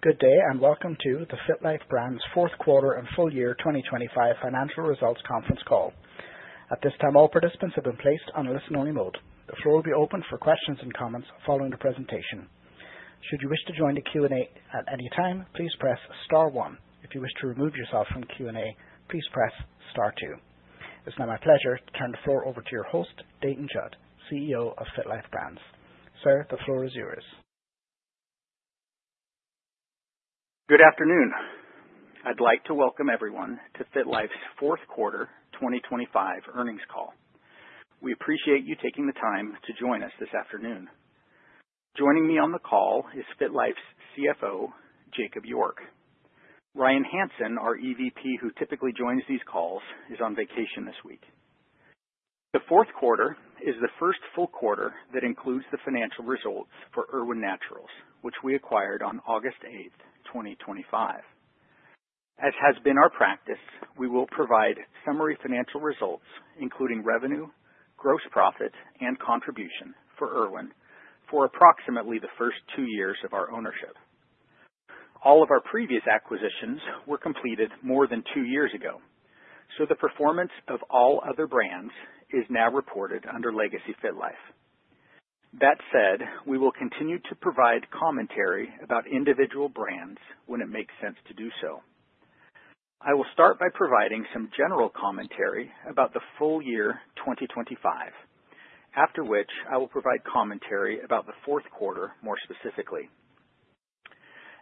Good day, and welcome to the FitLife Brands fourth quarter and full year 2025 financial results conference call. At this time, all participants have been placed on listen-only mode. The floor will be open for questions and comments following the presentation. Should you wish to join the Q&A at any time, please press star one. If you wish to remove yourself from Q&A, please press star two. It's now my pleasure to turn the floor over to your host, Dayton Judd, CEO of FitLife Brands. Sir, the floor is yours. Good afternoon. I'd like to welcome everyone to FitLife's fourth quarter 2025 earnings call. We appreciate you taking the time to join us this afternoon. Joining me on the call is FitLife's CFO, Jakob York. Ryan Hansen, our EVP, who typically joins these calls, is on vacation this week. The fourth quarter is the first full quarter that includes the financial results for Irwin Naturals, which we acquired on August 8, 2025. As has been our practice, we will provide summary financial results including revenue, gross profit, and contribution for Irwin for approximately the first two years of our ownership. All of our previous acquisitions were completed more than two years ago, so the performance of all other brands is now reported under Legacy FitLife. That said, we will continue to provide commentary about individual brands when it makes sense to do so. I will start by providing some general commentary about the full year 2025. After which, I will provide commentary about the fourth quarter, more specifically.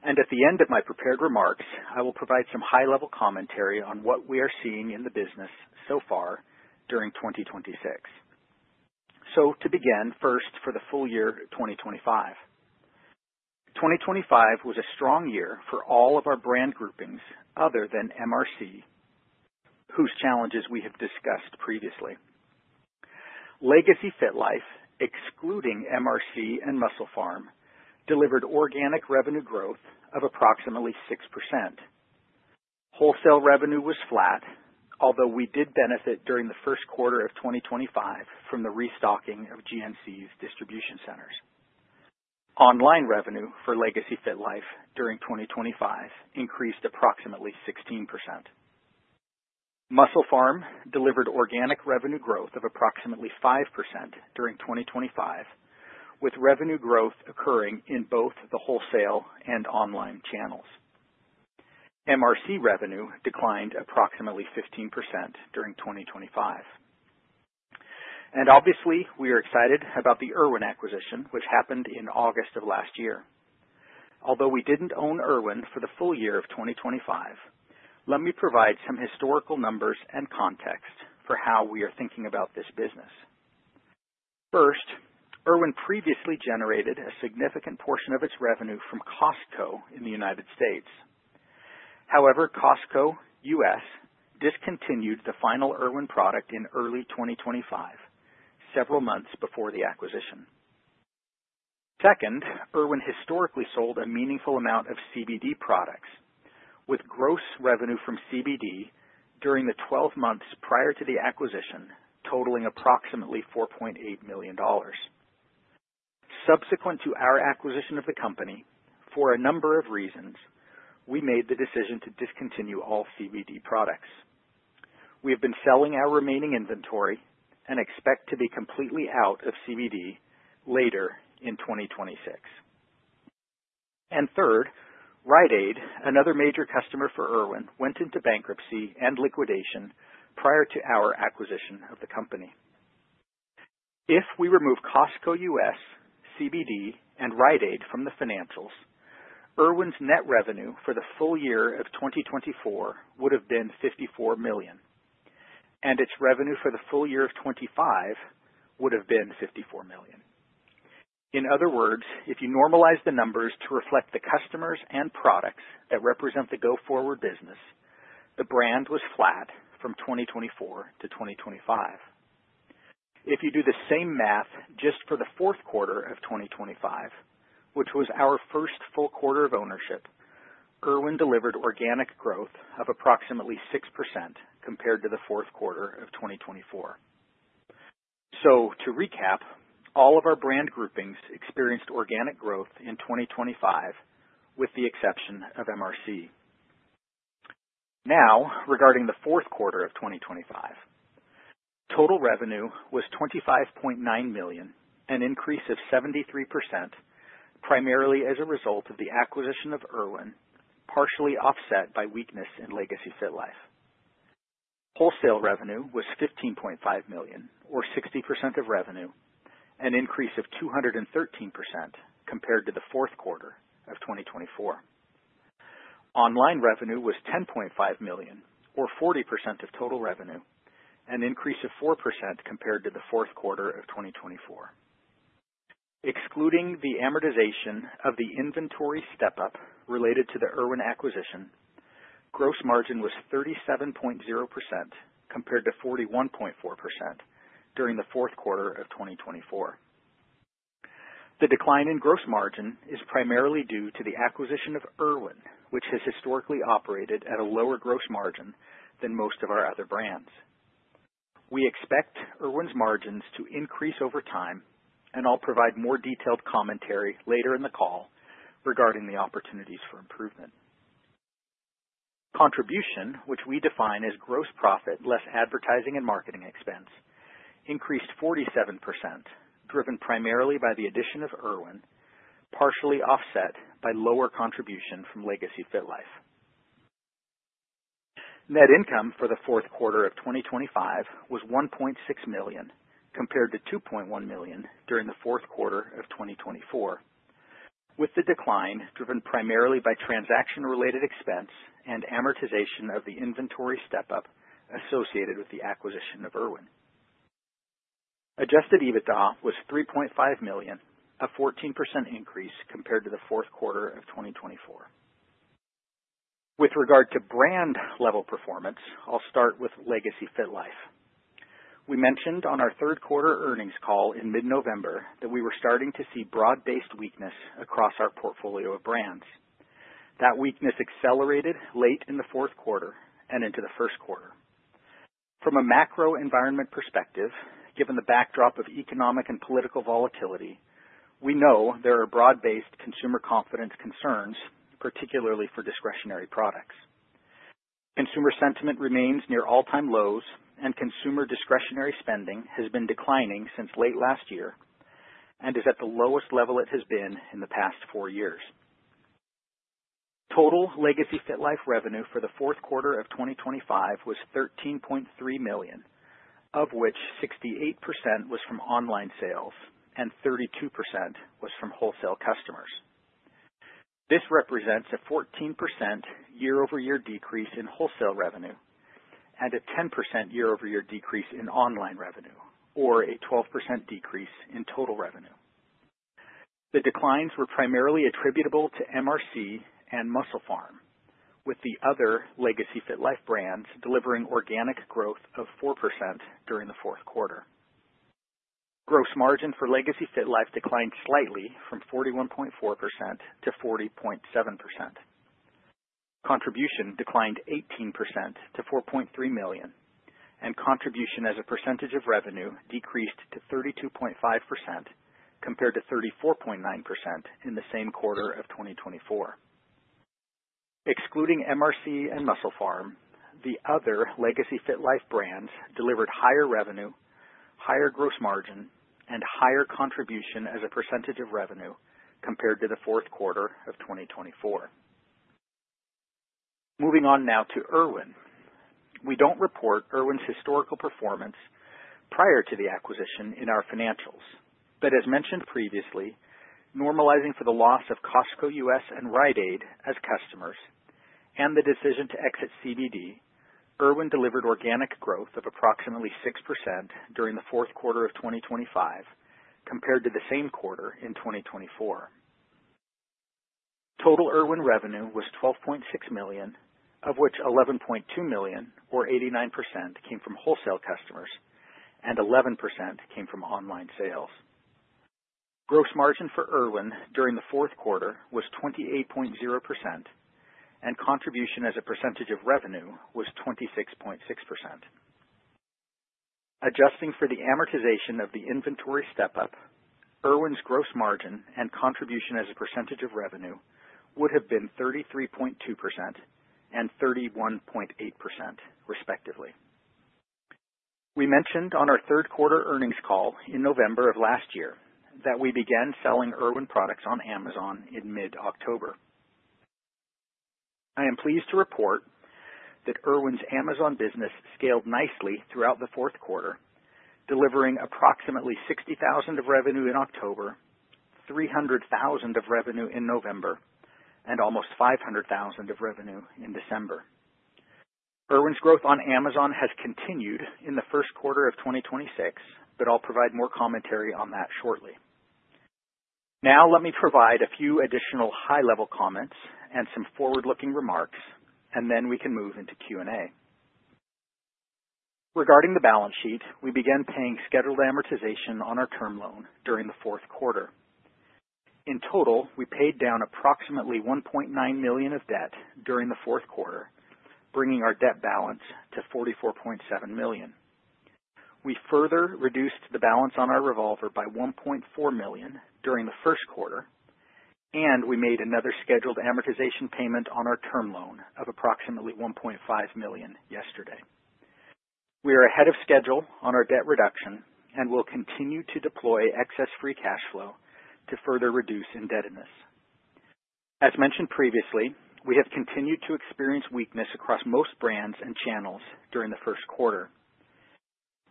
At the end of my prepared remarks, I will provide some high-level commentary on what we are seeing in the business so far during 2026. To begin first for the full year 2025. 2025 was a strong year for all of our brand groupings other than MRC, whose challenges we have discussed previously. Legacy FitLife, excluding MRC and MusclePharm, delivered organic revenue growth of approximately 6%. Wholesale revenue was flat, although we did benefit during the first quarter of 2025 from the restocking of GNC's distribution centers. Online revenue for Legacy FitLife during 2025 increased approximately 16%. MusclePharm delivered organic revenue growth of approximately 5% during 2025, with revenue growth occurring in both the wholesale and online channels. MRC revenue declined approximately 15% during 2025. Obviously, we are excited about the Irwin acquisition, which happened in August of last year. Although we didn't own Irwin for the full year of 2025, let me provide some historical numbers and context for how we are thinking about this business. First, Irwin previously generated a significant portion of its revenue from Costco in the United States. However, Costco U.S. discontinued the final Irwin product in early 2025, several months before the acquisition. Second, Irwin historically sold a meaningful amount of CBD products, with gross revenue from CBD during the 12 months prior to the acquisition totaling approximately $4.8 million. Subsequent to our acquisition of the company, for a number of reasons, we made the decision to discontinue all CBD products. We have been selling our remaining inventory and expect to be completely out of CBD later in 2026. Third, Rite Aid, another major customer for Irwin, went into bankruptcy and liquidation prior to our acquisition of the company. If we remove Costco U.S., CBD, and Rite Aid from the financials, Irwin's net revenue for the full year of 2024 would have been $54 million, and its revenue for the full year of 2025 would have been $54 million. In other words, if you normalize the numbers to reflect the customers and products that represent the go-forward business, the brand was flat from 2024 to 2025. If you do the same math just for the fourth quarter of 2025, which was our first full quarter of ownership, Irwin delivered organic growth of approximately 6% compared to the fourth quarter of 2024. To recap, all of our brand groupings experienced organic growth in 2025, with the exception of MRC. Now, regarding the fourth quarter of 2025. Total revenue was $25.9 million, an increase of 73%, primarily as a result of the acquisition of Irwin, partially offset by weakness in Legacy FitLife. Wholesale revenue was $15.5 million or 60% of revenue, an increase of 213% compared to the fourth quarter of 2024. Online revenue was $10.5 million or 40% of total revenue, an increase of 4% compared to the fourth quarter of 2024. Excluding the amortization of the inventory step up related to the Irwin acquisition, gross margin was 37.0% compared to 41.4% during the fourth quarter of 2024. The decline in gross margin is primarily due to the acquisition of Irwin, which has historically operated at a lower gross margin than most of our other brands. We expect Irwin's margins to increase over time, and I'll provide more detailed commentary later in the call regarding the opportunities for improvement. Contribution, which we define as gross profit less advertising and marketing expense, increased 47%, driven primarily by the addition of Irwin, partially offset by lower contribution from Legacy FitLife. Net income for the fourth quarter of 2025 was $1.6 million, compared to $2.1 million during the fourth quarter of 2024, with the decline driven primarily by transaction-related expense and amortization of the inventory step up associated with the acquisition of Irwin. Adjusted EBITDA was $3.5 million, a 14% increase compared to the fourth quarter of 2024. With regard to brand level performance, I'll start with Legacy FitLife. We mentioned on our third quarter earnings call in mid-November that we were starting to see broad-based weakness across our portfolio of brands. That weakness accelerated late in the fourth quarter and into the first quarter. From a macro environment perspective, given the backdrop of economic and political volatility, we know there are broad-based consumer confidence concerns, particularly for discretionary products. Consumer sentiment remains near all-time lows and consumer discretionary spending has been declining since late last year and is at the lowest level it has been in the past four years. Total Legacy FitLife revenue for the fourth quarter of 2025 was $13.3 million, of which 68% was from online sales and 32% was from wholesale customers. This represents a 14% year-over-year decrease in wholesale revenue and a 10% year-over-year decrease in online revenue, or a 12% decrease in total revenue. The declines were primarily attributable to MRC and MusclePharm, with the other Legacy FitLife brands delivering organic growth of 4% during the fourth quarter. Gross margin for Legacy FitLife declined slightly from 41.4%-40.7%. Contribution declined 18% to $4.3 million, and contribution as a percentage of revenue decreased to 32.5% compared to 34.9% in the same quarter of 2024. Excluding MRC and MusclePharm, the other Legacy FitLife brands delivered higher revenue, higher gross margin, and higher contribution as a percentage of revenue compared to the fourth quarter of 2024. Moving on now to Irwin. We don't report Irwin's historical performance prior to the acquisition in our financials. As mentioned previously, normalizing for the loss of Costco U.S. and Rite Aid as customers and the decision to exit CBD, Irwin delivered organic growth of approximately 6% during the fourth quarter of 2025 compared to the same quarter in 2024. Total Irwin revenue was $12.6 million, of which $11.2 million or 89% came from wholesale customers and 11% came from online sales. Gross margin for Irwin during the fourth quarter was 28.0% and contribution as a percentage of revenue was 26.6%. Adjusting for the amortization of the inventory step up, Irwin's gross margin and contribution as a percentage of revenue would have been 33.2% and 31.8% respectively. We mentioned on our third quarter earnings call in November of last year that we began selling Irwin products on Amazon in mid-October. I am pleased to report that Irwin's Amazon business scaled nicely throughout the fourth quarter, delivering approximately $60,000 of revenue in October, $300,000 of revenue in November, and almost $500,000 of revenue in December. Irwin's growth on Amazon has continued in the first quarter of 2026, but I'll provide more commentary on that shortly. Now let me provide a few additional high-level comments and some forward-looking remarks, and then we can move into Q&A. Regarding the balance sheet, we began paying scheduled amortization on our term loan during the fourth quarter. In total, we paid down approximately $1.9 million of debt during the fourth quarter, bringing our debt balance to $44.7 million. We further reduced the balance on our revolver by $1.4 million during the first quarter, and we made another scheduled amortization payment on our term loan of approximately $1.5 million yesterday. We are ahead of schedule on our debt reduction and will continue to deploy excess free cash flow to further reduce indebtedness. As mentioned previously, we have continued to experience weakness across most brands and channels during the first quarter.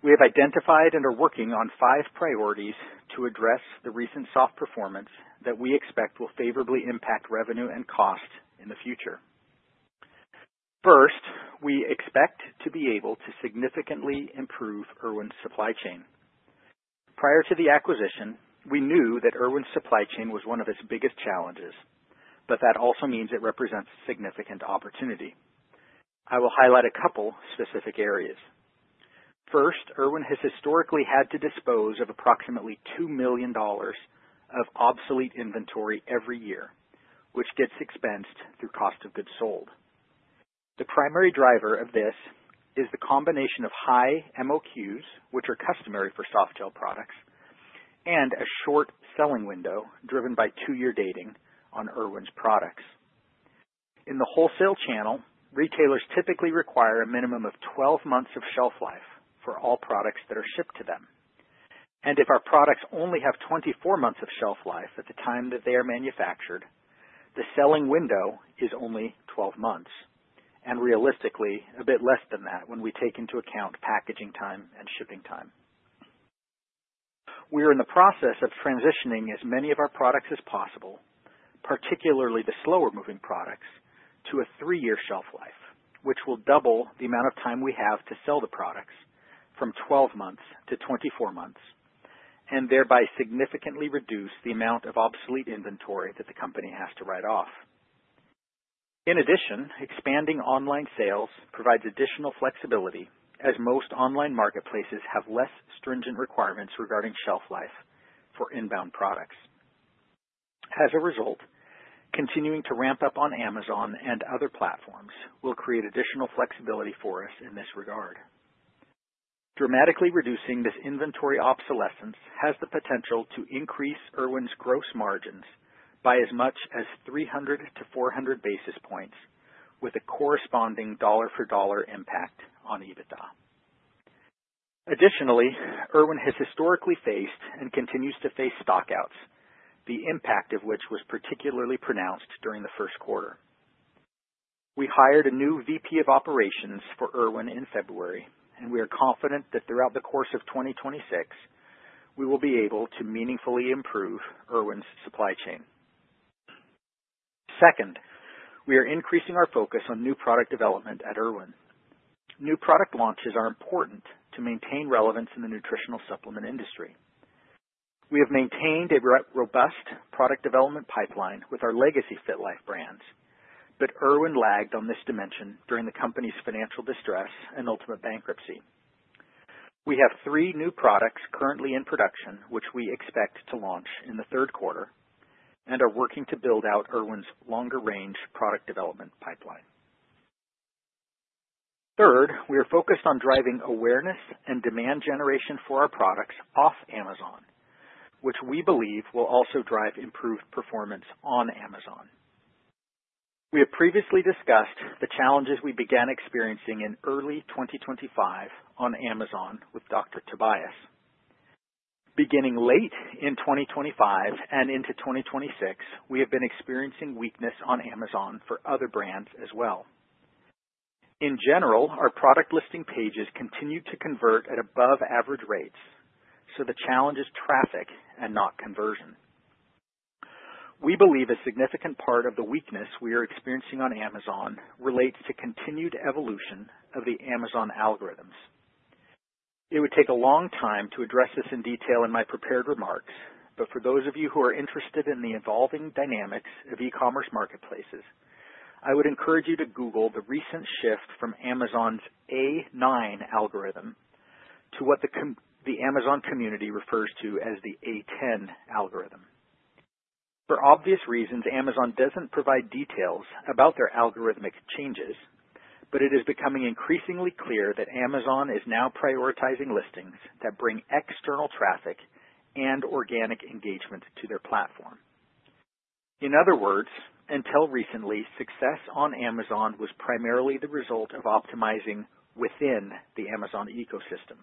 We have identified and are working on five priorities to address the recent soft performance that we expect will favorably impact revenue and cost in the future. First, we expect to be able to significantly improve Irwin's supply chain. Prior to the acquisition, we knew that Irwin's supply chain was one of its biggest challenges, but that also means it represents significant opportunity. I will highlight a couple specific areas. First, Irwin has historically had to dispose of approximately $2 million of obsolete inventory every year, which gets expensed through cost of goods sold. The primary driver of this is the combination of high MOQs, which are customary for softgel products, and a short selling window driven by two-year dating on Irwin's products. In the wholesale channel, retailers typically require a minimum of 12 months of shelf life for all products that are shipped to them. If our products only have 24 months of shelf life at the time that they are manufactured, the selling window is only 12 months, and realistically a bit less than that when we take into account packaging time and shipping time. We are in the process of transitioning as many of our products as possible, particularly the slower moving products, to a three-year shelf life, which will double the amount of time we have to sell the products from 12 months to 24 months, and thereby significantly reduce the amount of obsolete inventory that the company has to write off. In addition, expanding online sales provides additional flexibility, as most online marketplaces have less stringent requirements regarding shelf life for inbound products. As a result, continuing to ramp up on Amazon and other platforms will create additional flexibility for us in this regard. Dramatically reducing this inventory obsolescence has the potential to increase Irwin's gross margins by as much as 300-400 basis points, with a corresponding dollar-for-dollar impact on EBITDA. Additionally, Irwin has historically faced and continues to face stock outs, the impact of which was particularly pronounced during the first quarter. We hired a new VP of operations for Irwin in February, and we are confident that throughout the course of 2026, we will be able to meaningfully improve Irwin's supply chain. Second, we are increasing our focus on new product development at Irwin. New product launches are important to maintain relevance in the nutritional supplement industry. We have maintained a robust product development pipeline with our Legacy FitLife brands, but Irwin lagged on this dimension during the company's financial distress and ultimate bankruptcy. We have three new products currently in production, which we expect to launch in the third quarter and are working to build out Irwin's longer-range product development pipeline. Third, we are focused on driving awareness and demand generation for our products off Amazon, which we believe will also drive improved performance on Amazon. We have previously discussed the challenges we began experiencing in early 2025 on Amazon with Dr. Tobias. Beginning late in 2025 and into 2026, we have been experiencing weakness on Amazon for other brands as well. In general, our product listing pages continue to convert at above average rates, so the challenge is traffic and not conversion. We believe a significant part of the weakness we are experiencing on Amazon relates to continued evolution of the Amazon algorithms. It would take a long time to address this in detail in my prepared remarks, but for those of you who are interested in the evolving dynamics of e-commerce marketplaces, I would encourage you to Google the recent shift from Amazon's A9 algorithm to what the Amazon community refers to as the A10 algorithm. For obvious reasons, Amazon doesn't provide details about their algorithmic changes, but it is becoming increasingly clear that Amazon is now prioritizing listings that bring external traffic and organic engagement to their platform. In other words, until recently, success on Amazon was primarily the result of optimizing within the Amazon ecosystem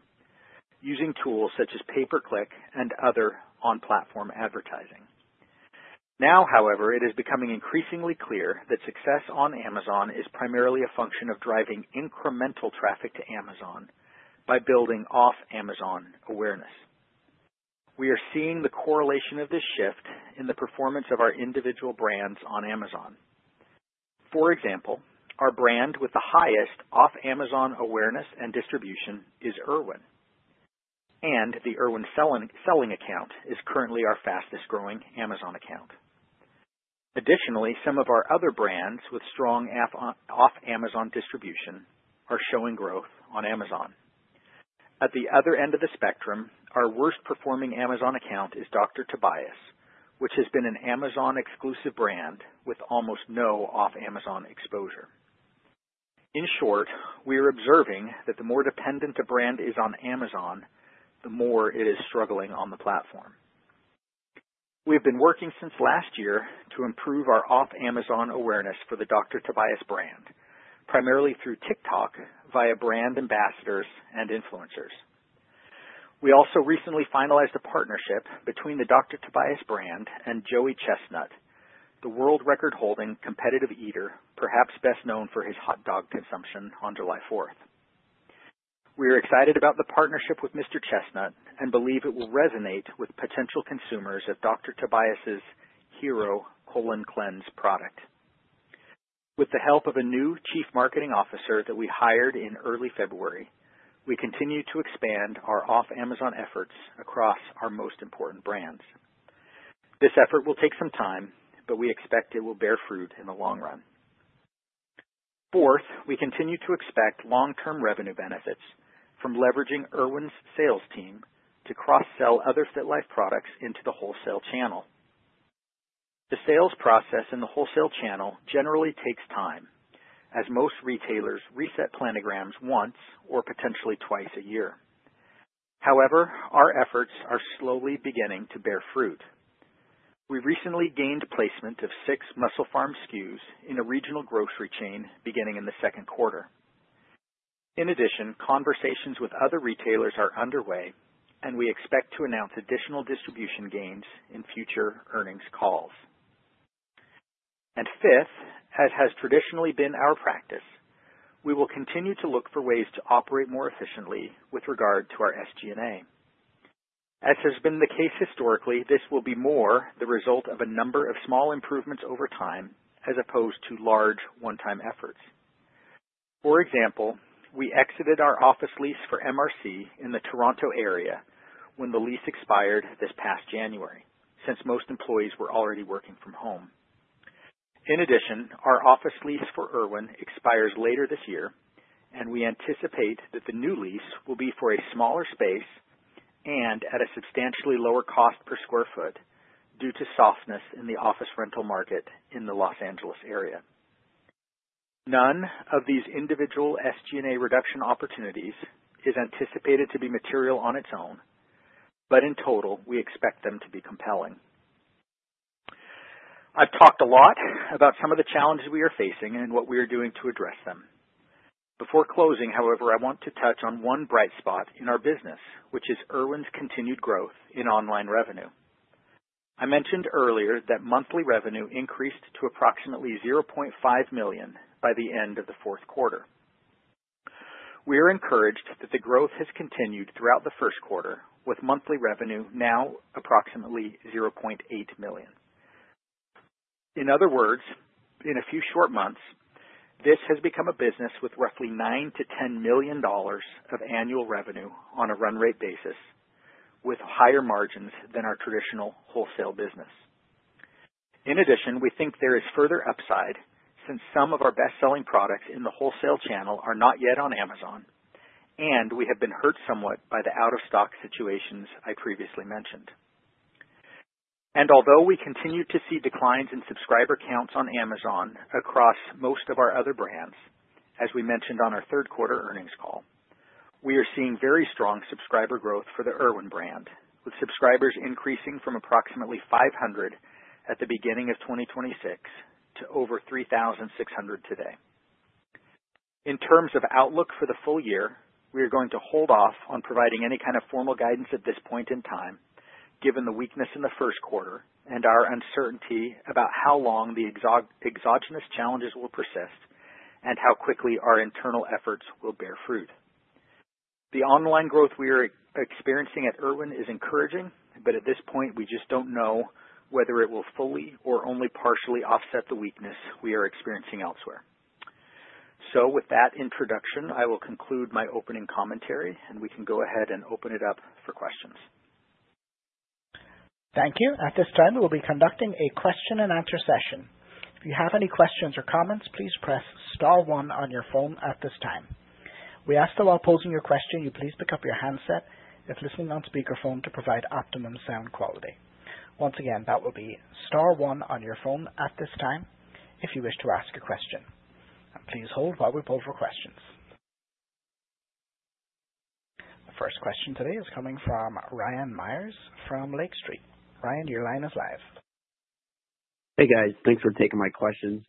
using tools such as pay per click and other on-platform advertising. Now, however, it is becoming increasingly clear that success on Amazon is primarily a function of driving incremental traffic to Amazon by building off Amazon awareness. We are seeing the correlation of this shift in the performance of our individual brands on Amazon. For example, our brand with the highest off Amazon awareness and distribution is Irwin, and the Irwin selling account is currently our fastest growing Amazon account. Additionally, some of our other brands with strong off Amazon distribution are showing growth on Amazon. At the other end of the spectrum, our worst performing Amazon account is Dr. Tobias, which has been an Amazon exclusive brand with almost no off Amazon exposure. In short, we are observing that the more dependent a brand is on Amazon, the more it is struggling on the platform. We have been working since last year to improve our off Amazon awareness for the Dr. Tobias brand, primarily through TikTok via brand ambassadors and influencers. We also recently finalized a partnership between the Dr. Tobias brand and Joey Chestnut, the world record holding competitive eater, perhaps best known for his hot dog consumption on July fourth. We are excited about the partnership with Mr. Chestnut and believe it will resonate with potential consumers of Dr. Tobias's Hero Colon Cleanse product. With the help of a new chief marketing officer that we hired in early February, we continue to expand our off Amazon efforts across our most important brands. This effort will take some time, but we expect it will bear fruit in the long run. Fourth, we continue to expect long-term revenue benefits from leveraging Irwin's sales team to cross-sell other FitLife products into the wholesale channel. The sales process in the wholesale channel generally takes time as most retailers reset planograms once or potentially twice a year. However, our efforts are slowly beginning to bear fruit. We recently gained placement of six MusclePharm SKUs in a regional grocery chain beginning in the second quarter. In addition, conversations with other retailers are underway, and we expect to announce additional distribution gains in future earnings calls. Fifth, as has traditionally been our practice, we will continue to look for ways to operate more efficiently with regard to our SG&A. As has been the case historically, this will be more the result of a number of small improvements over time as opposed to large one-time efforts. For example, we exited our office lease for MRC in the Toronto area when the lease expired this past January, since most employees were already working from home. In addition, our office lease for Irwin expires later this year, and we anticipate that the new lease will be for a smaller space and at a substantially lower cost per square foot due to softness in the office rental market in the Los Angeles area. None of these individual SG&A reduction opportunities is anticipated to be material on its own, but in total, we expect them to be compelling. I've talked a lot about some of the challenges we are facing and what we are doing to address them. Before closing, however, I want to touch on one bright spot in our business, which is Irwin's continued growth in online revenue. I mentioned earlier that monthly revenue increased to approximately $0.5 million by the end of the fourth quarter. We are encouraged that the growth has continued throughout the first quarter, with monthly revenue now approximately $0.8 million. In other words, in a few short months, this has become a business with roughly $9 million-$10 million of annual revenue on a run rate basis, with higher margins than our traditional wholesale business. In addition, we think there is further upside since some of our best-selling products in the wholesale channel are not yet on Amazon, and we have been hurt somewhat by the out-of-stock situations I previously mentioned. Although we continue to see declines in subscriber counts on Amazon across most of our other brands, as we mentioned on our third quarter earnings call, we are seeing very strong subscriber growth for the Irwin brand, with subscribers increasing from approximately 500 at the beginning of 2026 to over 3,600 today. In terms of outlook for the full year, we are going to hold off on providing any kind of formal guidance at this point in time, given the weakness in the first quarter and our uncertainty about how long the exogenous challenges will persist and how quickly our internal efforts will bear fruit. The online growth we are experiencing at Irwin is encouraging, but at this point, we just don't know whether it will fully or only partially offset the weakness we are experiencing elsewhere. With that introduction, I will conclude my opening commentary, and we can go ahead and open it up for questions. Thank you. At this time, we'll be conducting a question-and-answer session. If you have any questions or comments, please press star one on your phone at this time. We ask that while posing your question, you please pick up your handset if listening on speakerphone to provide optimum sound quality. Once again, that will be star one on your phone at this time if you wish to ask a question. Please hold while we poll for questions. The first question today is coming from Ryan Meyers from Lake Street. Ryan, your line is live. Hey, guys. Thanks for taking my questions.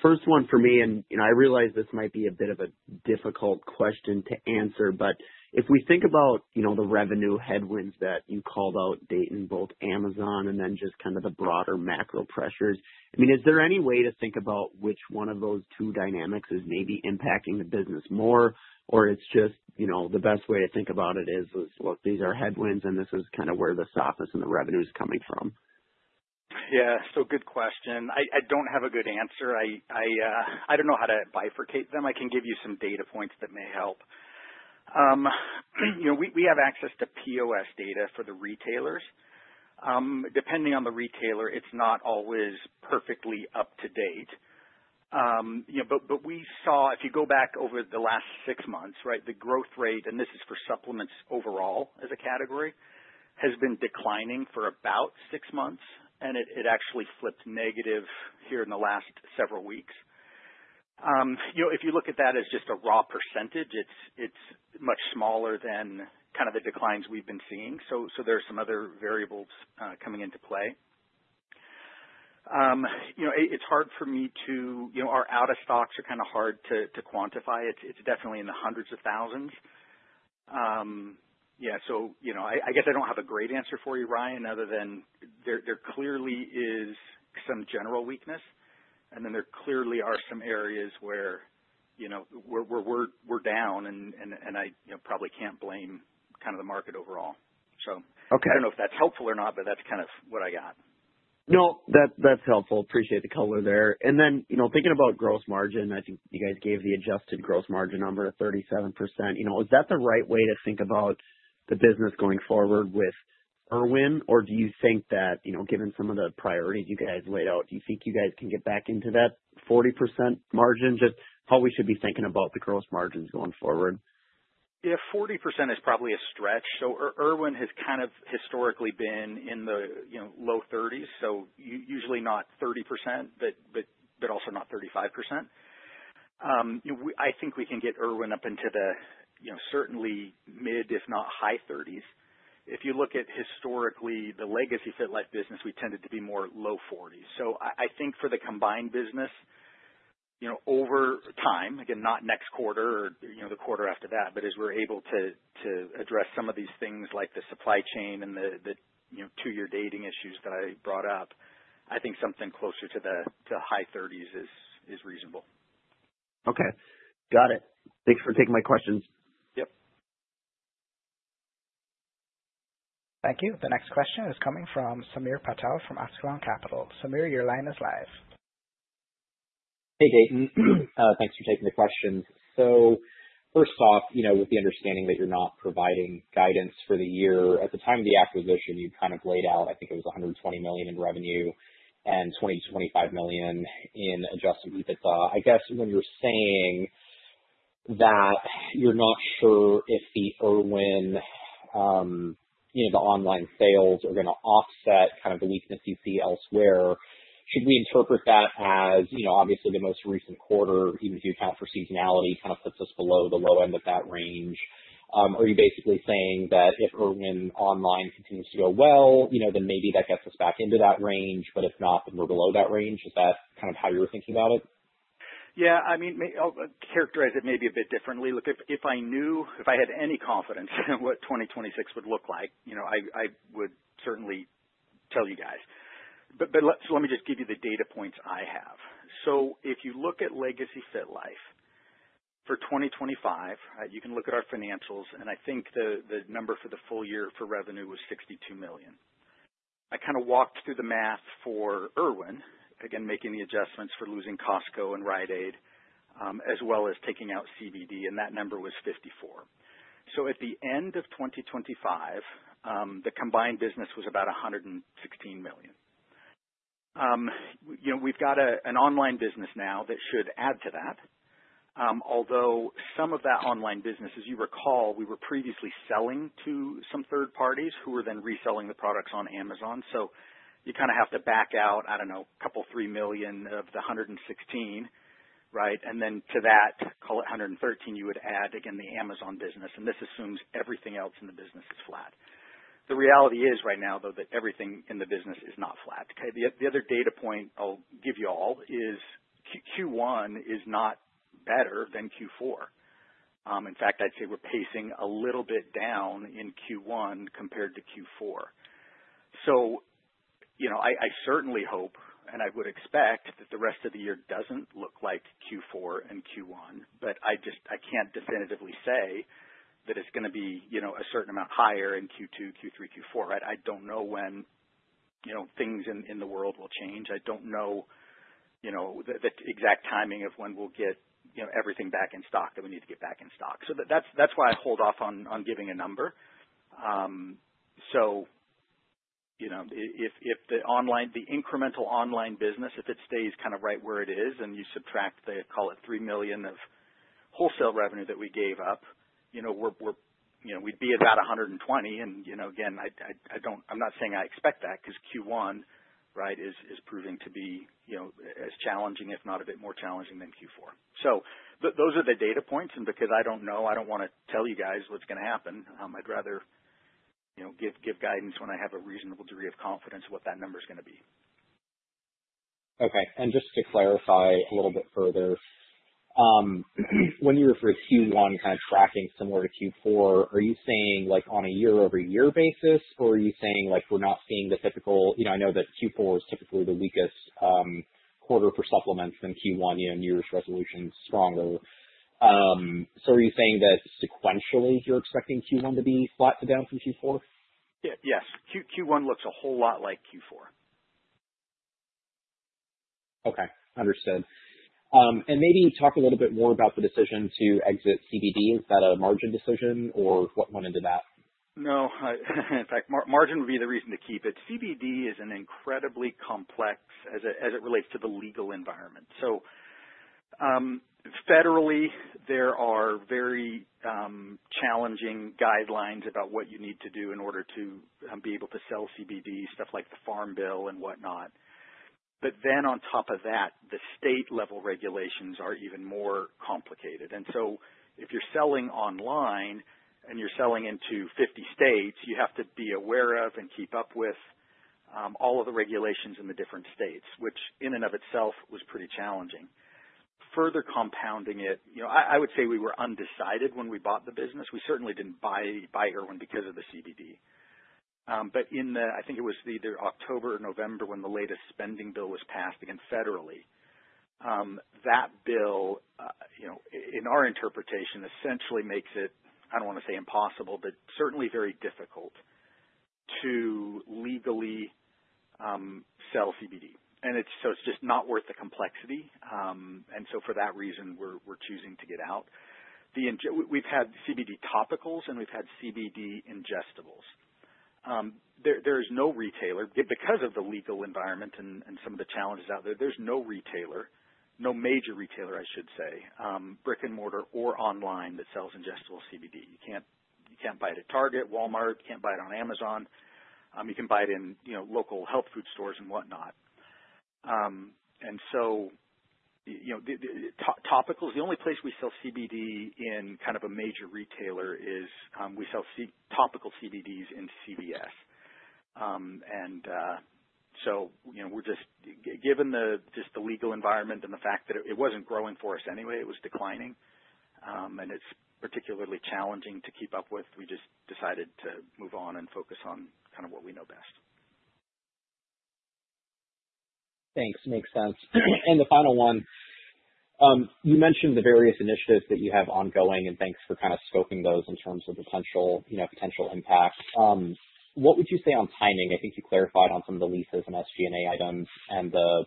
First one for me, and, you know, I realize this might be a bit of a difficult question to answer, but if we think about, you know, the revenue headwinds that you called out, Dayton, both Amazon and then just kind of the broader macro pressures, I mean, is there any way to think about which one of those two dynamics is maybe impacting the business more? Or it's just, you know, the best way to think about it is, look, these are headwinds and this is kind of where the softness in the revenue is coming from. Yeah. Good question. I don't have a good answer. I don't know how to bifurcate them. I can give you some data points that may help. We have access to POS data for the retailers. Depending on the retailer, it's not always perfectly up to date. We saw if you go back over the last six months, right, the growth rate, and this is for supplements overall as a category, has been declining for about six months, and it actually flipped negative here in the last several weeks. If you look at that as just a raw percentage, it's much smaller than kind of the declines we've been seeing. There's some other variables coming into play. It's hard for me to. You know, our out of stocks are kind of hard to quantify it. It's definitely in the hundreds of thousands. You know, I guess I don't have a great answer for you, Ryan, other than there clearly is some general weakness, and then there clearly are some areas where, you know, we're down and I, you know, probably can't blame kind of the market overall. Okay. I don't know if that's helpful or not, but that's kind of what I got. No, that's helpful. Appreciate the color there. You know, thinking about gross margin, I think you guys gave the adjusted gross margin number of 37%. You know, is that the right way to think about the business going forward with Irwin? Or do you think that, you know, given some of the priorities you guys laid out, do you think you guys can get back into that 40% margin? Just how we should be thinking about the gross margins going forward? Yeah, 40% is probably a stretch. Irwin has kind of historically been in the, you know, low 30s%, usually not 30%, but also not 35%. I think we can get Irwin up into the, you know, certainly mid, if not high 30s%. If you look at historically the legacy FitLife business, we tended to be more low 40s%. I think for the combined business, you know, over time, again, not next quarter or, you know, the quarter after that, but as we're able to address some of these things like the supply chain and the, you know, two-year dating issues that I brought up, I think something closer to high 30s% is reasonable. Okay. Got it. Thanks for taking my questions. Yep. Thank you. The next question is coming from Samir Patel from Askeladden Capital. Samir, your line is live. Hey, Dayton. Thanks for taking the questions. First off, you know, with the understanding that you're not providing guidance for the year, at the time of the acquisition, you kind of laid out, I think it was $120 million in revenue and $20 million-$25 million in adjusted EBITDA. I guess when you're saying that you're not sure if the Irwin, you know, the online sales are gonna offset kind of the weakness you see elsewhere, should we interpret that as, you know, obviously the most recent quarter, even if you account for seasonality, kind of puts us below the low end of that range? Are you basically saying that if Irwin online continues to go well, you know, then maybe that gets us back into that range, but if not, then we're below that range? Is that kind of how you were thinking about it? Yeah, I mean, maybe I'll characterize it maybe a bit differently. Look, if I had any confidence in what 2026 would look like, you know, I would certainly tell you guys. Let's just give you the data points I have. If you look at Legacy FitLife for 2025, you can look at our financials, and I think the number for the full year for revenue was $62 million. I kinda walked through the math for Irwin, again, making the adjustments for losing Costco and Rite Aid, as well as taking out CBD, and that number was $54 million. At the end of 2025, the combined business was about $116 million. You know, we've got an online business now that should add to that. Although some of that online business, as you recall, we were previously selling to some third parties who were then reselling the products on Amazon. You kinda have to back out, I don't know, $2 million-$3 million of the $116 million, right? Then to that, call it $113 million, you would add again the Amazon business, and this assumes everything else in the business is flat. The reality is right now, though, that everything in the business is not flat. Okay, the other data point I'll give you all is Q1 is not better than Q4. In fact, I'd say we're pacing a little bit down in Q1 compared to Q4. You know, I certainly hope, and I would expect that the rest of the year doesn't look like Q4 and Q1, but I just, I can't definitively say that it's gonna be, you know, a certain amount higher in Q2, Q3, Q4, right? I don't know when, you know, things in the world will change. I don't know, you know, the exact timing of when we'll get, you know, everything back in stock that we need to get back in stock. That's why I hold off on giving a number. You know, if the incremental online business stays kinda right where it is and you subtract, say, call it $3 million of wholesale revenue that we gave up, you know, we'd be about $120 million. You know, again, I'm not saying I expect that because Q1, right, is proving to be, you know, as challenging, if not a bit more challenging than Q4. Those are the data points, and because I don't know, I don't wanna tell you guys what's gonna happen. I'd rather, you know, give guidance when I have a reasonable degree of confidence what that number's gonna be. Okay, just to clarify a little bit further, when you refer to Q1 kind of tracking similar to Q4, are you saying, like, on a year-over-year basis, or are you saying, like, we're not seeing the typical. You know, I know that Q4 is typically the weakest quarter for supplements and Q1, you know, New Year's resolution, stronger. Are you saying that sequentially you're expecting Q1 to be flat to down from Q4? Yes. Q1 looks a whole lot like Q4. Okay. Understood. Maybe talk a little bit more about the decision to exit CBD. Is that a margin decision or what went into that? No. In fact, margin would be the reason to keep it. CBD is an incredibly complex as it relates to the legal environment. Federally, there are very challenging guidelines about what you need to do in order to be able to sell CBD, stuff like the Farm Bill and whatnot. On top of that, the state level regulations are even more complicated. If you're selling online and you're selling into 50 states, you have to be aware of and keep up with all of the regulations in the different states, which in and of itself was pretty challenging. Further compounding it, you know, I would say we were undecided when we bought the business. We certainly didn't buy Irwin because of the CBD. I think it was either October or November when the latest spending bill was passed, again, federally, that bill, you know, in our interpretation, essentially makes it, I don't wanna say impossible, but certainly very difficult to legally sell CBD. It's just not worth the complexity. For that reason, we're choosing to get out. We've had CBD topicals and we've had CBD ingestibles. There is no retailer. Because of the legal environment and some of the challenges out there's no retailer, no major retailer, I should say, brick-and-mortar or online that sells ingestible CBD. You can't buy it at Target, Walmart. You can't buy it on Amazon. You can buy it in, you know, local health food stores and whatnot. You know, the topicals, the only place we sell CBD in kind of a major retailer is, we sell topical CBDs in CVS. You know, we're just, given the legal environment and the fact that it wasn't growing for us anyway, it was declining, and it's particularly challenging to keep up with, we just decided to move on and focus on kind of what we know best. Thanks. Makes sense. The final one. You mentioned the various initiatives that you have ongoing, and thanks for kind of scoping those in terms of potential, you know, potential impact. What would you say on timing? I think you clarified on some of the leases and SG&A items and the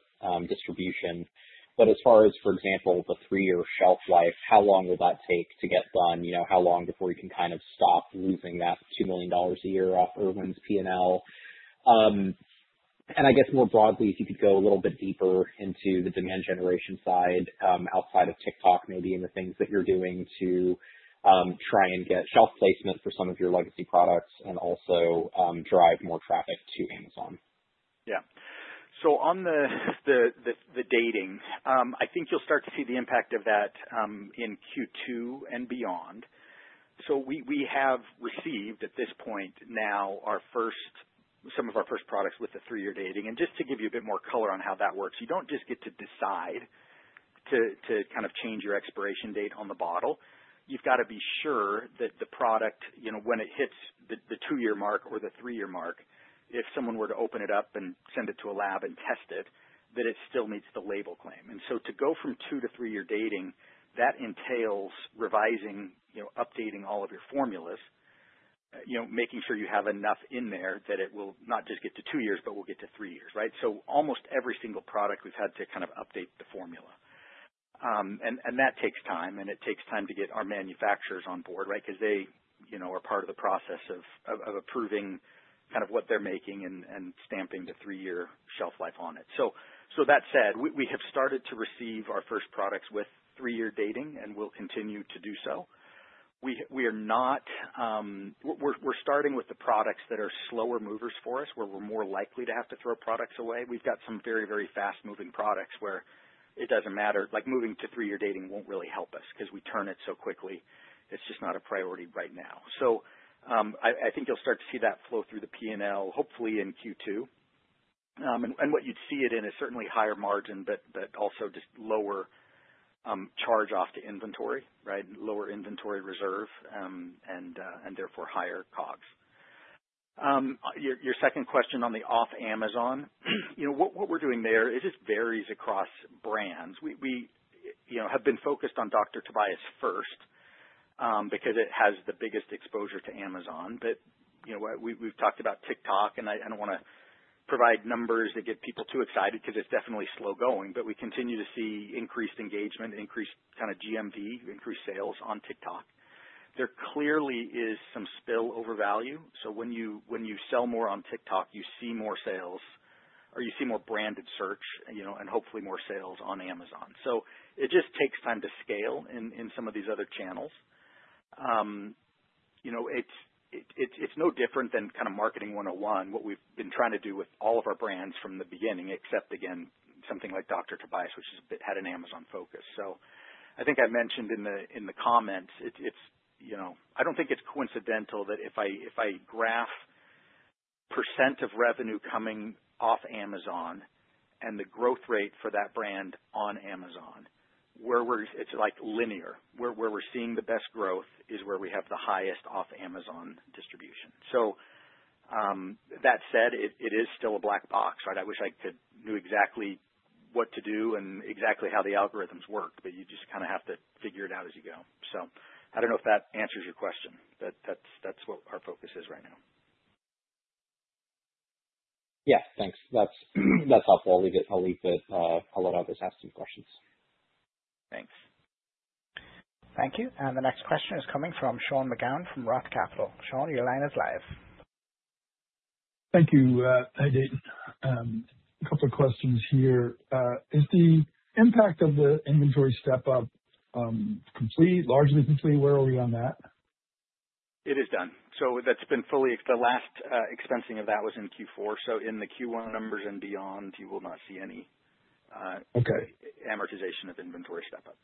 distribution. As far as, for example, the three-year shelf life, how long will that take to get done? You know, how long before you can kind of stop losing that $2 million a year off Irwin's P&L? I guess more broadly, if you could go a little bit deeper into the demand generation side, outside of TikTok, maybe in the things that you're doing to try and get shelf placement for some of your legacy products and also drive more traffic to Amazon. On the dating, I think you'll start to see the impact of that in Q2 and beyond. We have received at this point now some of our first products with the three-year dating. Just to give you a bit more color on how that works, you don't just get to decide to kind of change your expiration date on the bottle. You've got to be sure that the product, you know, when it hits the two-year mark or the three-year mark, if someone were to open it up and send it to a lab and test it, that it still meets the label claim. To go from two to three year dating, that entails revising, you know, updating all of your formulas, you know, making sure you have enough in there that it will not just get to two years, but will get to three years, right? Almost every single product, we've had to kind of update the formula. That takes time, and it takes time to get our manufacturers on board, right? Because they, you know, are part of the process of approving kind of what they're making and stamping the three-year shelf life on it. That said, we have started to receive our first products with three-year dating, and we'll continue to do so. We're starting with the products that are slower movers for us, where we're more likely to have to throw products away. We've got some very, very fast-moving products where it doesn't matter. Like, moving to three-year dating won't really help us because we turn it so quickly. It's just not a priority right now. I think you'll start to see that flow through the P&L, hopefully in Q2. And what you'd see it in is certainly higher margin, but also just lower charge off to inventory, right? Lower inventory reserve, and therefore higher COGS. Your second question on the off Amazon. You know, what we're doing there, it just varies across brands. We, you know, have been focused on Dr. Tobias first, because it has the biggest exposure to Amazon. You know, we've talked about TikTok, and I don't wanna provide numbers that get people too excited because it's definitely slow going. We continue to see increased engagement, increased kind of GMV, increased sales on TikTok. There clearly is some spillover value. When you sell more on TikTok, you see more sales, or you see more branded search, you know, and hopefully more sales on Amazon. It just takes time to scale in some of these other channels. You know, it's no different than kind of marketing 101, what we've been trying to do with all of our brands from the beginning, except, again, something like Dr. Tobias, which is a bit had an Amazon focus. I think I mentioned in the comments, it's you know. I don't think it's coincidental that if I graph the percent of revenue coming off Amazon and the growth rate for that brand on Amazon, it's like linear. Where we're seeing the best growth is where we have the highest off Amazon distribution. That said, it is still a black box, right? I wish I knew exactly what to do and exactly how the algorithms work, but you just kinda have to figure it out as you go. I don't know if that answers your question, but that's what our focus is right now. Yeah, thanks. That's helpful. I'll leave it. I'll let others ask some questions. Thanks. Thank you. The next question is coming from Sean McGowan from Roth Capital. Sean, your line is live. Thank you. Hey, Dayton. A couple of questions here. Is the impact of the inventory step-up complete, largely complete? Where are we on that? It is done. That's been the last expensing of that was in Q4. In the Q1 numbers and beyond, you will not see any- Okay. amortization of inventory step-up.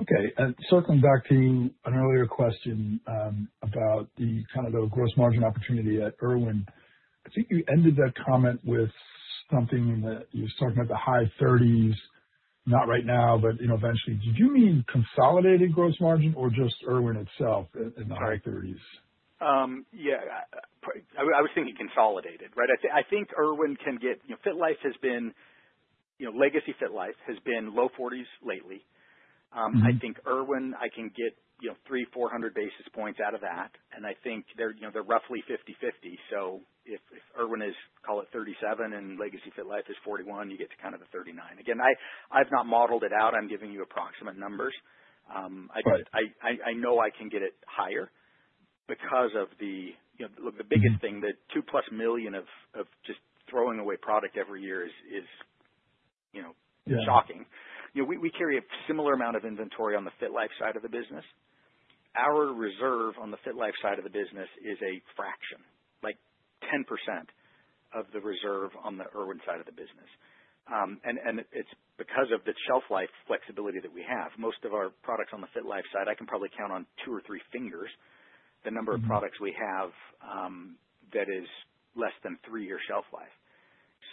Okay. Circling back to an earlier question, about the kind of gross margin opportunity at Irwin. I think you ended that comment with something that you were talking about the high 30s%, not right now, but, you know, eventually. Did you mean consolidated gross margin or just Irwin itself in the high 30s%? Yeah. I was thinking consolidated, right? I think Irwin can get. You know, FitLife has been, you know, Legacy FitLife has been low 40s% lately. I think Irwin I can get, you know, 300-400 basis points out of that. I think they're, you know, they're roughly 50-50. If Irwin is call it 37% and Legacy FitLife is 41%, you get to kind of the 39%. Again, I've not modeled it out. I'm giving you approximate numbers. Right. I know I can get it higher because of the, you know, look, the biggest thing, the $2+ million of just throwing away product every year is, you know, shocking. You know, we carry a similar amount of inventory on the FitLife side of the business. Our reserve on the FitLife side of the business is a fraction, like 10% of the reserve on the Irwin side of the business. It's because of the shelf life flexibility that we have. Most of our products on the FitLife side, I can probably count on two or three fingers the number of products we have that is less than three-year shelf life.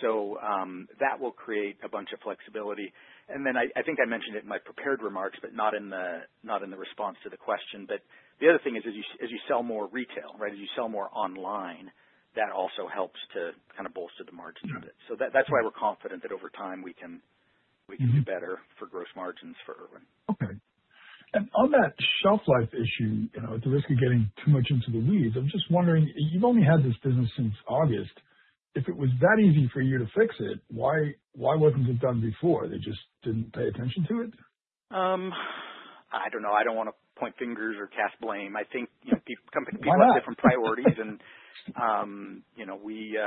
That will create a bunch of flexibility. I think I mentioned it in my prepared remarks, but not in the response to the question, but the other thing is as you sell more retail, right, as you sell more online, that also helps to kind of bolster the margin a bit. That's why we're confident that over time we can do better for gross margins for Irwin. Okay. On that shelf life issue, you know, at the risk of getting too much into the weeds, I'm just wondering, you've only had this business since August. If it was that easy for you to fix it, why wasn't it done before? They just didn't pay attention to it? I don't know. I don't wanna point fingers or cast blame. I think, you know, people. Why not? Company people have different priorities and, you know, we.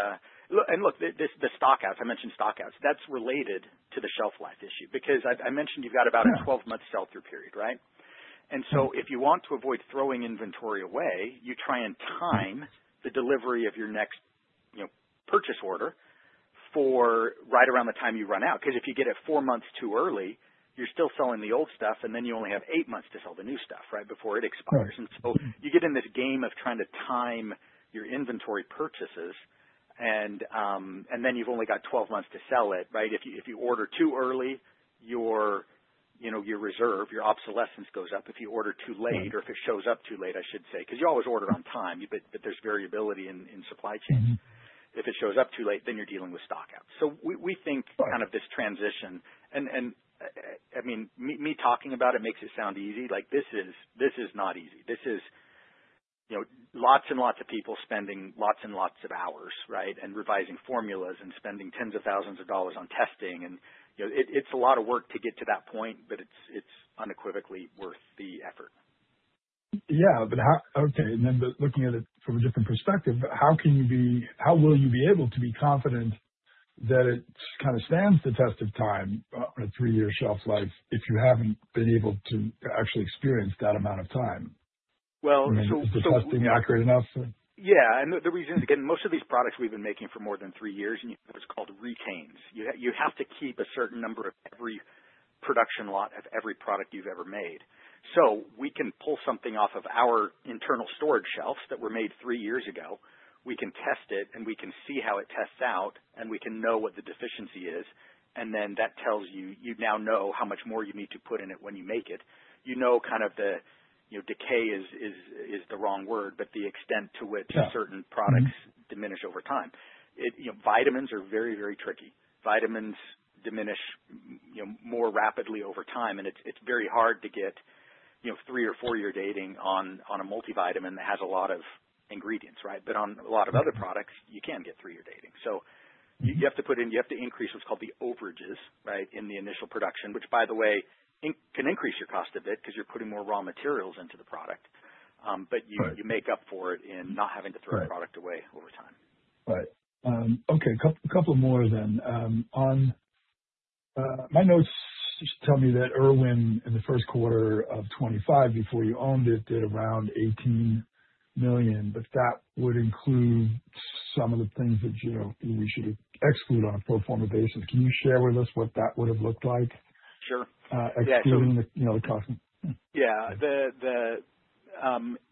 Look, the stock outs I mentioned, stock outs, that's related to the shelf life issue because I mentioned you've got about a 12-month sell-through period, right? If you want to avoid throwing inventory away, you try and time the delivery of your next, you know, purchase order for right around the time you run out. 'Cause if you get it four months too early, you're still selling the old stuff, and then you only have eight months to sell the new stuff, right? Before it expires. Right. You get in this game of trying to time your inventory purchases and then you've only got 12 months to sell it, right? If you order too early, you know, your reserve, your obsolescence goes up. If you order too late or if it shows up too late, I should say, 'cause you always order on time, but there's variability in supply chain. If it shows up too late, then you're dealing with stock outs. We think kind of this transition. I mean, me talking about it makes it sound easy, like this is not easy. This is, you know, lots and lots of people spending lots and lots of hours, right? Revising formulas and spending tens of thousands of dollars on testing. You know, it's a lot of work to get to that point, but it's unequivocally worth the effort. Looking at it from a different perspective, how will you be able to be confident that it kind of stands the test of time, a three-year shelf life, if you haven't been able to actually experience that amount of time? Well. Is the testing accurate enough? So? Yeah. The reason is, again, most of these products we've been making for more than three years, and you have what's called retains. You have to keep a certain number of every production lot of every product you've ever made. So we can pull something off of our internal storage shelves that were made three years ago. We can test it, and we can see how it tests out, and we can know what the deficiency is. Then that tells you now know how much more you need to put in it when you make it. You know, kind of the you know, decay is the wrong word, but the extent to which- Yeah. certain products diminish over time. You know, vitamins are very tricky. Vitamins diminish, you know, more rapidly over time, and it's very hard to get, you know, three or four-year dating on a multivitamin that has a lot of ingredients, right? On a lot of other products you can get three-year dating. You have to increase what's called the overages, right, in the initial production, which by the way, can increase your cost a bit because you're putting more raw materials into the product. Right. You make up for it in not having to throw product away over time. Right. Okay. A couple more then. On my notes tell me that Irwin in the first quarter of 2025, before you owned it, did around $18 million, but that would include some of the things that, you know, we should exclude on a pro forma basis. Can you share with us what that would have looked like? Sure. Excluding the, you know, Costco. The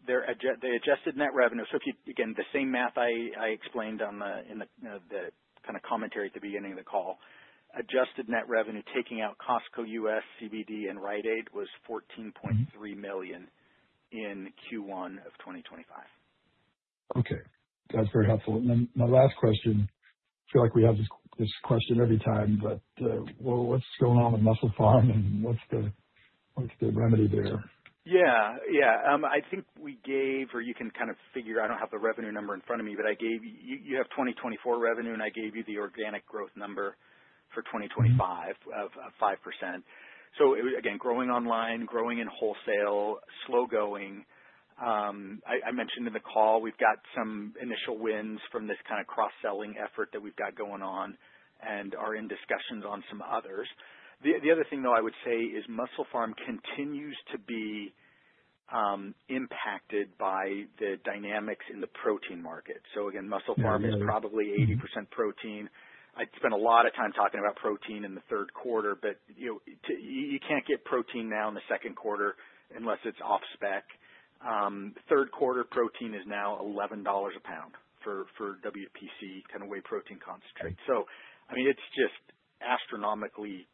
adjusted net revenue. If you again the same math I explained on the you know, the kind of commentary at the beginning of the call. Adjusted net revenue, taking out Costco U.S., CBD and Rite Aid was $14.3 million in Q1 of 2025. Okay. That's very helpful. Then my last question, I feel like we have this question every time, but what's going on with MusclePharm and what's the remedy there? I think we gave or you can kind of figure. I don't have the revenue number in front of me, but I gave you 2024 revenue, and I gave you the organic growth number for 2025 of 5%. It again growing online, growing in wholesale, slow going. I mentioned in the call we've got some initial wins from this kind of cross-selling effort that we've got going on and are in discussions on some others. The other thing, though, I would say is MusclePharm continues to be impacted by the dynamics in the protein market. Again, MusclePharm is probably 80% protein. I've spent a lot of time talking about protein in the third quarter, but you know, you can't get protein now in the second quarter unless it's off-spec. Third quarter protein is now $11 a pound for WPC, kind of whey protein concentrate. I mean, it's just astronomically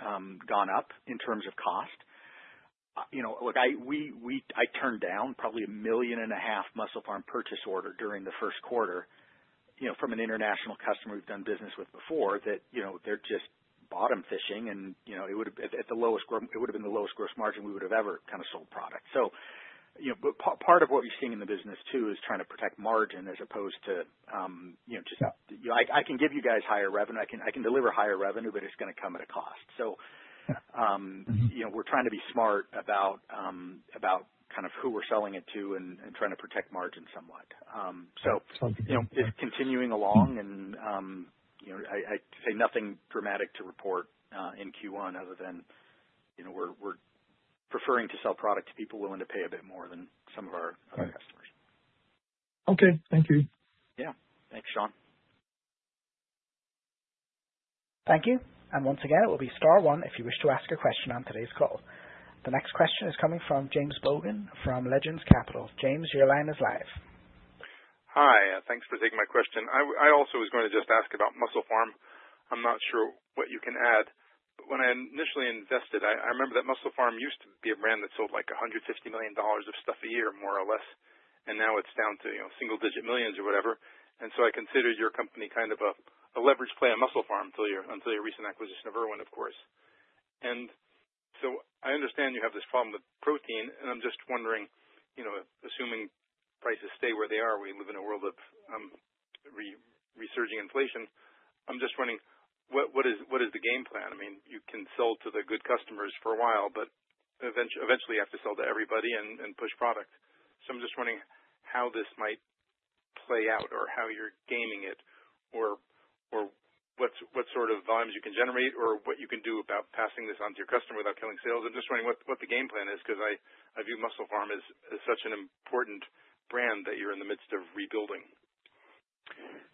gone up in terms of cost. You know, look, I turned down probably $1.5 million MusclePharm purchase order during the first quarter, you know, from an international customer we've done business with before that, you know, they're just bottom fishing and, you know, it would have been at the lowest gross margin. It would've been the lowest gross margin we would've ever kind of sold product. You know, but part of what you're seeing in the business too is trying to protect margin as opposed to, you know, just, you know. I can give you guys higher revenue. I can deliver higher revenue, but it's gonna come at a cost. You know, we're trying to be smart about kind of who we're selling it to and trying to protect margin somewhat. You know, it's continuing along and, you know, I'd say nothing dramatic to report in Q1 other than, you know, we're preferring to sell product to people willing to pay a bit more than some of our other customers. Okay. Thank you. Yeah. Thanks, Sean. Thank you. Once again, it will be star one if you wish to ask a question on today's call. The next question is coming from James Bogan from Legend Capital. James, your line is live. Hi, thanks for taking my question. I also was gonna just ask about MusclePharm. I'm not sure what you can add, but when I initially invested, I remember that MusclePharm used to be a brand that sold, like, $150 million of stuff a year, more or less, and now it's down to, you know, single-digit millions or whatever. I considered your company kind of a leverage play on MusclePharm until your recent acquisition of Irwin, of course. I understand you have this problem with protein, and I'm just wondering, you know, assuming prices stay where they are, we live in a world of resurging inflation. I'm just wondering what is the game plan? I mean, you can sell to the good customers for a while, but eventually you have to sell to everybody and push product. I'm just wondering how this might play out or how you're gaming it or what sort of volumes you can generate or what you can do about passing this on to your customer without killing sales. I'm just wondering what the game plan is because I view MusclePharm as such an important brand that you're in the midst of rebuilding.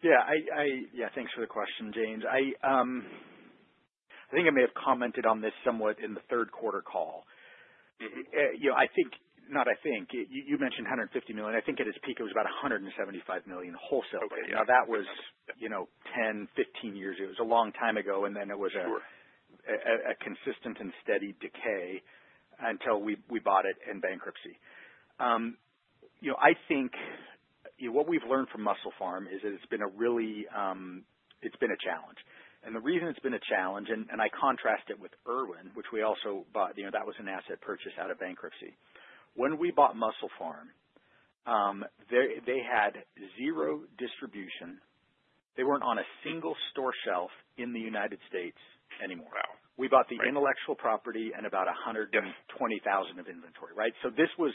Yeah, thanks for the question, James. I think I may have commented on this somewhat in the third quarter call. You know, I think, not I think, you mentioned $150 million. I think at its peak it was about $175 million wholesale. Okay. Now that was, you know, 10, 15 years. It was a long time ago. Sure. A consistent and steady decay until we bought it in bankruptcy. You know, I think, you know, what we've learned from MusclePharm is that it's been a challenge. The reason it's been a challenge, and I contrast it with Irwin, which we also bought. You know, that was an asset purchase out of bankruptcy. When we bought MusclePharm, they had zero distribution. They weren't on a single store shelf in the United States anymore. Wow. We bought the intellectual property and about $120,000 of inventory, right? This was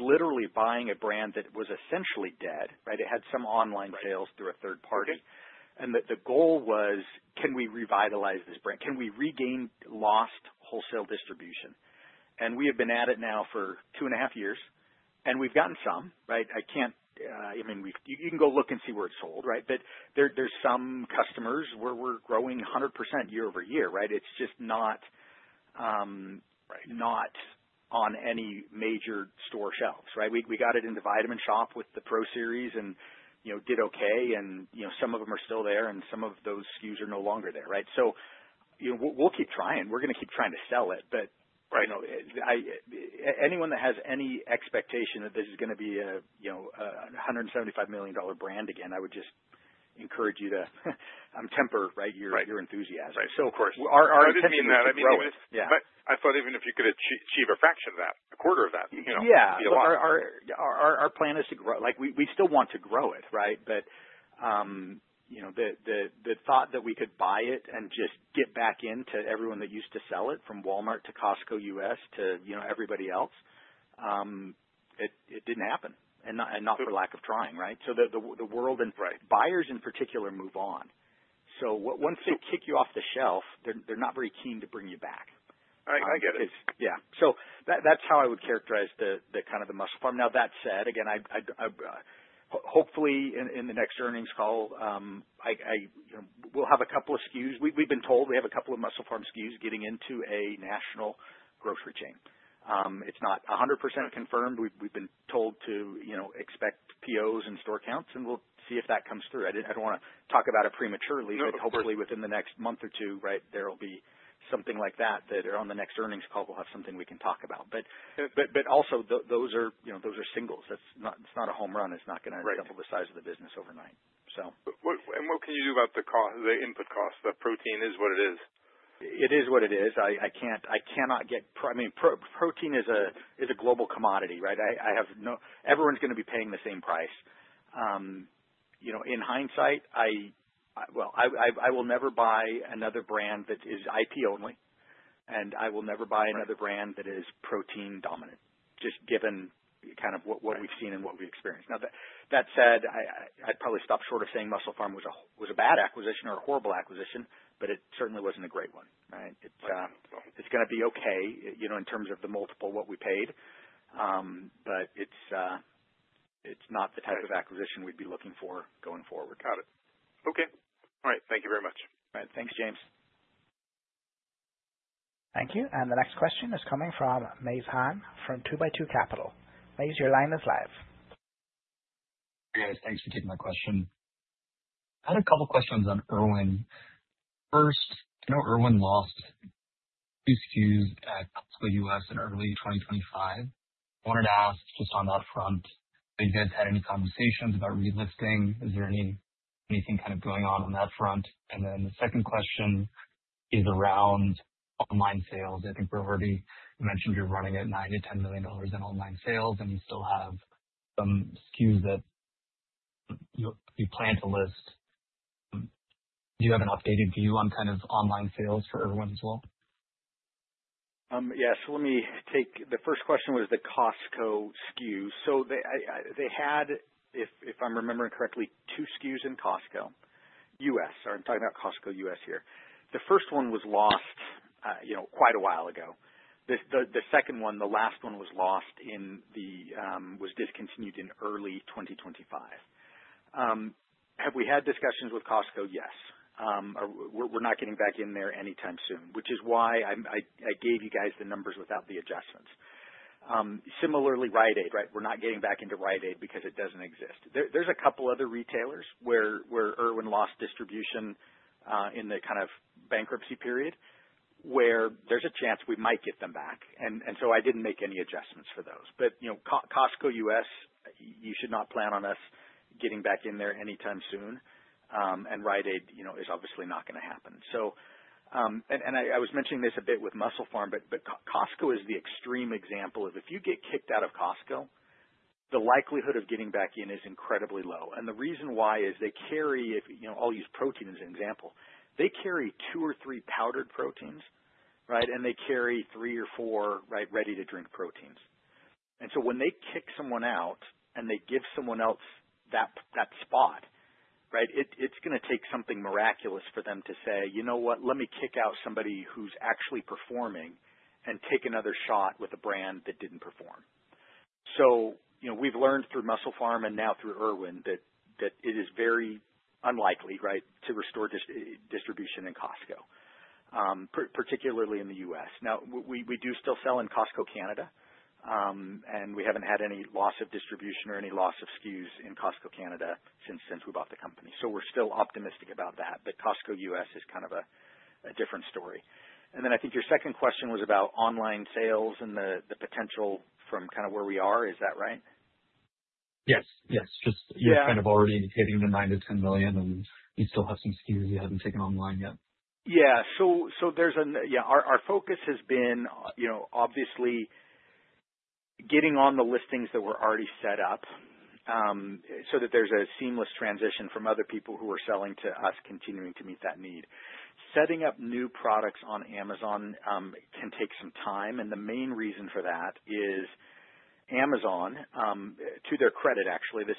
literally buying a brand that was essentially dead, right? It had some online sales through a third party. Right. The goal was, can we revitalize this brand? Can we regain lost wholesale distribution? We have been at it now for 2.5 years, and we've gotten some, right? You can go look and see where it's sold, right? There's some customers where we're growing 100% year-over-year, right? It's just not on any major store shelves, right? We got it in The Vitamin Shoppe with the Pro Series and, you know, did okay. You know, some of them are still there and some of those SKUs are no longer there, right? You know, we'll keep trying. We're gonna keep trying to sell it. You know, anyone that has any expectation that this is gonna be a $175 million brand again, I would just encourage you to temper, right, your enthusiasm. Right. Of course. Our intention is to grow it. I didn't mean that. I mean, I thought even if you could achieve a fraction of that, a quarter of that, you know. Yeah. You know. Our plan is to grow. Like, we still want to grow it, right? You know, the thought that we could buy it and just get back in to everyone that used to sell it from Walmart to Costco U.S. to, you know, everybody else, it didn't happen, and not for lack of trying, right? The world and- Right. buyers in particular move on. Once they kick you off the shelf, they're not very keen to bring you back. I get it. Yeah. That's how I would characterize the kind of MusclePharm. Now, that said, again, I'd hopefully in the next earnings call, you know, we'll have a couple of SKUs. We've been told we have a couple of MusclePharm SKUs getting into a national grocery chain. It's not 100% confirmed. We've been told to, you know, expect POs and store counts, and we'll see if that comes through. I don't wanna talk about it prematurely. No, of course. Hopefully within the next month or two, right, there will be something like that on the next earnings call we'll have something we can talk about. Also those are, you know, those are singles. That's not, it's not a home run. It's not gonna double the size of the business overnight, so. What can you do about the input cost? The protein is what it is. It is what it is. I mean, protein is a global commodity, right? Everyone's gonna be paying the same price. You know, in hindsight, well, I will never buy another brand that is IP only, and I will never buy another brand that is protein dominant, just given what we've seen and what we've experienced. Now, that said, I'd probably stop short of saying MusclePharm was a bad acquisition or a horrible acquisition, but it certainly wasn't a great one, right? Right. It's gonna be okay, you know, in terms of the multiple what we paid. It's not the type of acquisition we'd be looking for going forward. Got it. Okay. All right. Thank you very much. All right. Thanks, James. Thank you. The next question is coming from Maaiz Khan from 2x2 Capital. Maaiz, your line is live. Yes, thanks for taking my question. I had a couple questions on Irwin. First, I know Irwin lost SKUs at Costco U.S. in early 2025. I wanted to ask just on that front, have you guys had any conversations about relisting? Is there anything kind of going on on that front? The second question is around online sales. I think we've already mentioned you're running at $9 million-$10 million in online sales, and you still have some SKUs that you plan to list. Do you have an updated view on kind of online sales for Irwin as well? Yes. Let me take the first question was the Costco SKUs. They had, if I'm remembering correctly, two SKUs in Costco, U.S. I'm talking about Costco U.S. here. The first one was lost, you know, quite a while ago. The second one, the last one was discontinued in early 2025. Have we had discussions with Costco? Yes. We're not getting back in there anytime soon, which is why I gave you guys the numbers without the adjustments. Similarly, Rite Aid, right? We're not getting back into Rite Aid because it doesn't exist. There's a couple other retailers where Irwin lost distribution in the kind of bankruptcy period, where there's a chance we might get them back. I didn't make any adjustments for those. You know, Costco U.S., you should not plan on us getting back in there anytime soon. Rite Aid, you know, is obviously not gonna happen. I was mentioning this a bit with MusclePharm, but Costco is the extreme example of if you get kicked out of Costco, the likelihood of getting back in is incredibly low. The reason why is they carry, if you know, I'll use protein as an example. They carry two or three powdered proteins, right? They carry three or four, right, ready-to-drink proteins. When they kick someone out and they give someone else that spot, right? It's gonna take something miraculous for them to say, "You know what? Let me kick out somebody who's actually performing and take another shot with a brand that didn't perform." You know, we've learned through MusclePharm and now through Irwin that it is very unlikely, right, to restore distribution in Costco, particularly in the U.S. Now, we do still sell in Costco Canada, and we haven't had any loss of distribution or any loss of SKUs in Costco Canada since we bought the company. We're still optimistic about that. Costco U.S. is kind of a different story. Then I think your second question was about online sales and the potential from kind of where we are. Is that right? Yes, yes. Yeah. You're kind of already hitting the $9 million-$10 million, and you still have some SKUs you haven't taken online yet. Our focus has been, you know, obviously getting on the listings that were already set up, so that there's a seamless transition from other people who are selling to us continuing to meet that need. Setting up new products on Amazon can take some time, and the main reason for that is Amazon, to their credit, actually, it's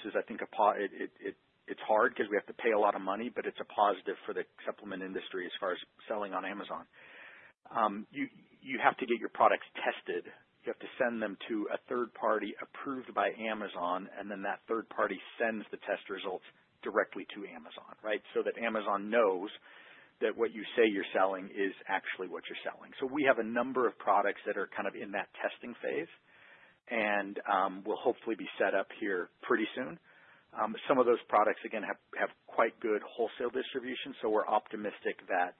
hard because we have to pay a lot of money, but it's a positive for the supplement industry as far as selling on Amazon. You have to get your products tested. You have to send them to a third party approved by Amazon, and then that third party sends the test results directly to Amazon, right? Amazon knows that what you say you're selling is actually what you're selling. We have a number of products that are kind of in that testing phase and will hopefully be set up here pretty soon. Some of those products, again, have quite good wholesale distribution, so we're optimistic that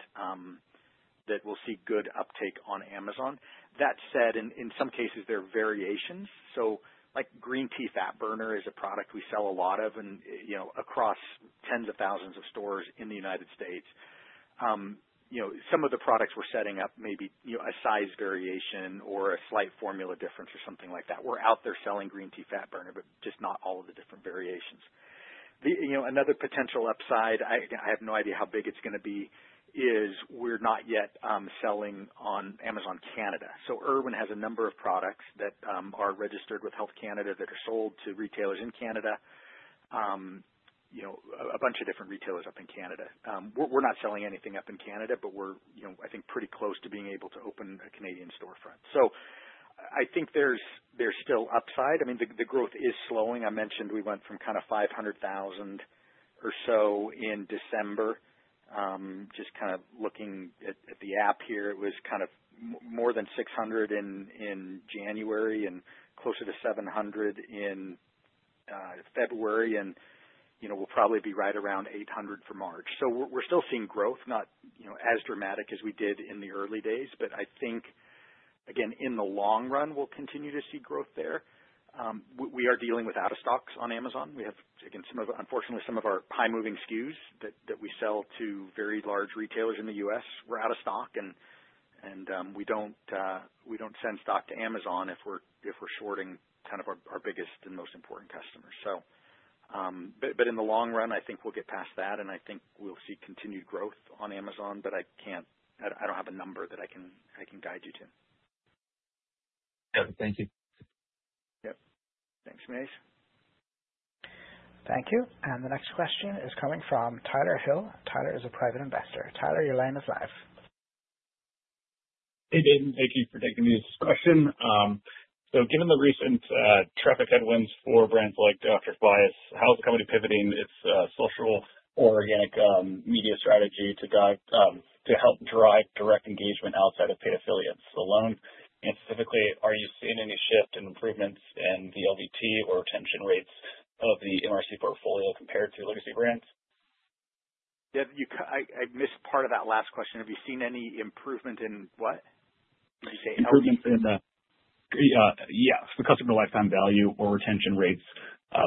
we'll see good uptake on Amazon. That said, in some cases there are variations. Like, Green Tea Fat Burner is a product we sell a lot of and, you know, across tens of thousands of stores in the United States. You know, some of the products we're setting up may be, you know, a size variation or a slight formula difference or something like that. We're out there selling Green Tea Fat Burner, but just not all of the different variations. Another potential upside, I have no idea how big it's gonna be, is we're not yet selling on Amazon Canada. So Irwin has a number of products that are registered with Health Canada that are sold to retailers in Canada, you know, a bunch of different retailers up in Canada. We're not selling anything up in Canada, but you know, I think pretty close to being able to open a Canadian storefront. So I think there's still upside. I mean, the growth is slowing. I mentioned we went from kinda $500,000 or so in December. Just kind of looking at the app here, it was kind of more than $600 in January and closer to $700 in February. You know, we'll probably be right around $800 for March. We're still seeing growth, not, you know, as dramatic as we did in the early days, but I think, again, in the long run, we'll continue to see growth there. We are dealing with out of stocks on Amazon. We have, again, some of the, unfortunately, some of our high moving SKUs that we sell to very large retailers in the U.S. were out of stock and we don't send stock to Amazon if we're shorting kind of our biggest and most important customers. But in the long run, I think we'll get past that, and I think we'll see continued growth on Amazon, but I can't. I don't have a number that I can guide you to. Okay. Thank you. Yep. Thanks, [Mays]. Thank you. The next question is coming from Tyler Hill. Tyler is a private investor. Tyler, your line is live. Hey, Dayton. Thank you for taking this question. Given the recent traffic headwinds for brands like Dr. Tobias, how is the company pivoting its social or organic media strategy to help drive direct engagement outside of paid affiliates alone? And specifically, are you seeing any shift in improvements in the LTV or retention rates of the MRC portfolio compared to legacy brands? Yeah, I missed part of that last question. Have you seen any improvement in what? Yeah, the customer lifetime value or retention rates